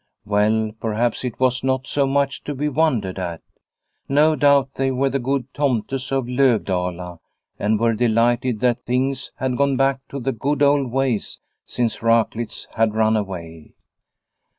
Well, perhaps it was not so much to be wondered at. No doubt they were the good tomtes of Lovdala, and were delighted that things had gone back to the good old ways since Raklitz had run away.